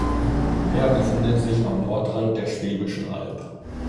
Er befindet sich am Nordrand der Schwäbischen Alb.